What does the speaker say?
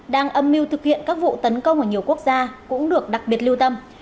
đang âm mưu thực hiện các vụ tấn công ở nhiều quốc gia cũng được đặc biệt lưu tâm